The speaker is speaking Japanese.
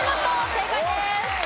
正解です。